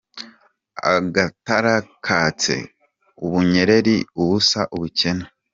Agatara katse ,Ubunyereri : ubusa, ubukene.